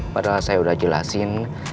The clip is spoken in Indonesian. padahal saya udah jelasin